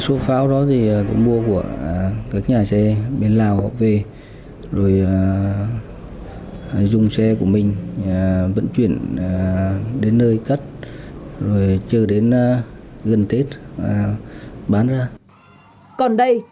số pháo đó thì cũng mua của các nhà xe bên lào về rồi dùng xe của mình vận chuyển đến nơi cất rồi chưa đến gần tết bán ra